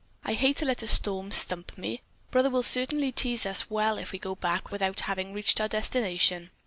"I hate to let a storm stump me. Brother will certainly tease us well if we go back without having reached our destination."